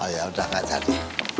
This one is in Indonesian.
ya udah enggak cari